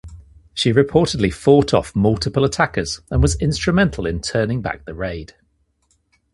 She reportedly fought off multiple attackers and was instrumental in turning back the raid.